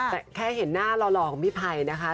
แต่แค่เห็นหน้าหล่อของพี่ไพรนะคะ